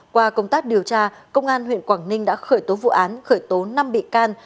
qua công tác điều tra công an huyện quảng ninh đã khởi tố vụ án khởi tố năm bị can